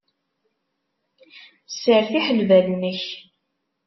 Sseṛtiḥ lbal-nnek.